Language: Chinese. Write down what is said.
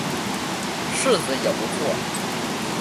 柿子也不错